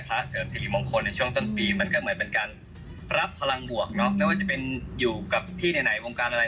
ภาครางบวกนะครับไม่ว่าจะอยู่กับที่ในไหนวงการอะไร